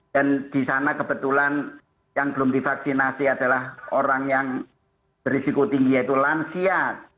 dan di sana kebetulan yang belum divaksinasi adalah orang yang berisiko tinggi yaitu lansia